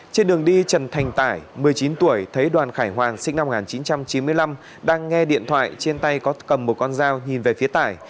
trên đường đi trần thành tải một mươi chín tuổi thấy đoàn khải hoàn sinh năm một nghìn chín trăm chín mươi năm đang nghe điện thoại trên tay có cầm một con dao nhìn về phía tải